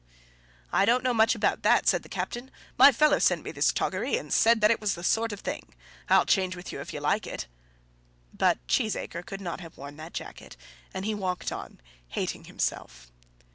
"I don't know much about that," said the captain; "my fellow sent me this toggery, and said that it was the sort of thing. I'll change with you if you like it." But Cheesacre could not have worn that jacket, and he walked on, hating himself.